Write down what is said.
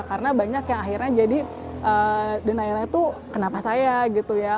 karena banyak yang akhirnya jadi deniarnya itu kenapa saya gitu ya